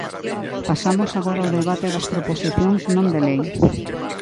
Pasamos agora ao debate das proposicións non de lei.